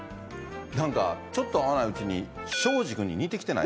何かちょっと会わないうちに庄司君に似てきてない？